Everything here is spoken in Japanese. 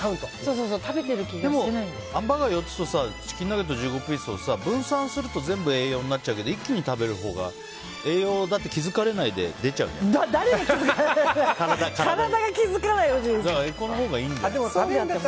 でも、ハンバーガー４つとチキンナゲット１５ピースを分散すると全部栄養になっちゃうけど一気に食べるほうが栄養だって気づかれないで誰に気付かれないんですか？